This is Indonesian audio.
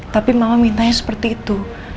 tapi mama minta yang seperti itu